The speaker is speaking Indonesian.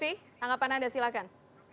oke pak lutfi anggapan anda silakan